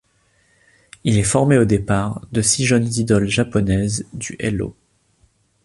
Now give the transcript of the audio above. Il est formé au départ de six jeunes idoles japonaises du Hello!